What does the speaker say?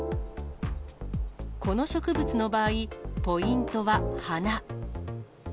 この植物の場合、ポイントは花。